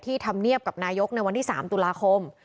ที่ทำเงียบกับนายกในวันที่๓ตุลาคม